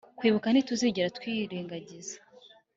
kwibuka ntituzigera twirengagiza